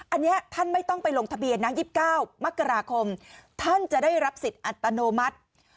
อันนี้ท่านไม่ต้องไปลงทะเบียนนะ๒๙มกราคมท่านจะได้รับสิทธิ์อัตโนมัติ